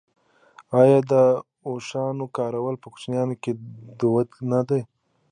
آیا د اوښانو کارول په کوچیانو کې دود نه دی؟